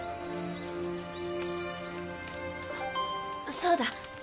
そうだ。